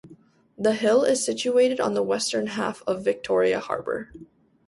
The hill is situated on the western half of Victoria Harbour.